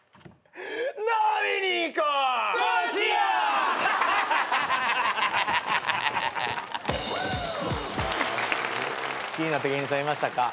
気になった芸人さんいましたか？